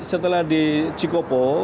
setelah di cikopo